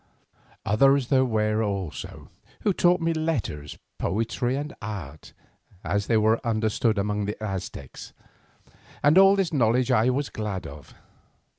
Others there were also, who taught me letters, poetry, and art, as they were understood among the Aztecs, and all this knowledge I was glad of.